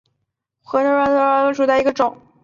肾耳唐竹为禾本科唐竹属下的一个种。